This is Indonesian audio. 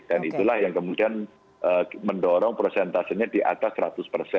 dan itulah yang kemudian mendorong prosentasenya di atas seratus